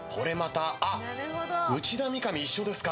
内田、三上、一緒ですか。